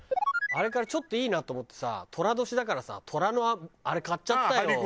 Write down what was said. あれからちょっといいなと思ってさ寅年だからさ虎のあれ買っちゃったよ。